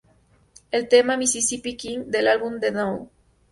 El tema "Mississippi King" del álbum "The No.